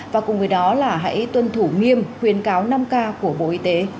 và cùng với đó là hãy tuân thủ nghiêm khuyên cáo năm k của bộ y tế